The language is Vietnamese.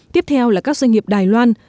tiếp theo là các doanh nghiệp đài loan